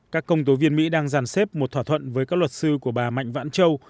các công tố viên mỹ đang giàn xếp một thỏa thuận với các luật sư của bà mạnh vãn châu